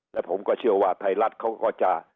และผมก็เชื่อว่าไทยรัฐเขาก็จะ